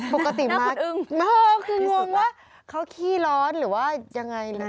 ปกติม้าคืองวงว่าเขาขี้ร้อนหรือว่ายังไงที่สุดล่ะ